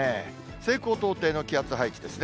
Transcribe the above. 西高東低の気圧配置ですね。